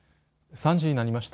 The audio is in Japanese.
３時になりました。